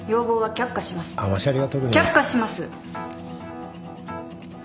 却下します。